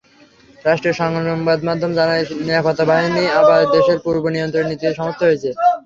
রাষ্ট্রীয় সংবাদমাধ্যম জানায়, নিরাপত্তা বাহিনী আবার দেশের পূর্ণ নিয়ন্ত্রণ নিতে সমর্থ হয়েছে।